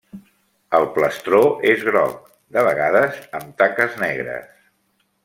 El plastró és groc, de vegades amb taques negres.